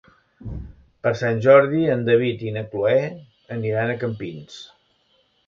Per Sant Jordi en David i na Cloè aniran a Campins.